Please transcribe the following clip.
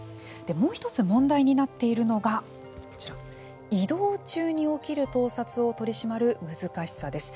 もう一つ問題になっているのがこちら移動中に起きる盗撮を取り締まる難しさです。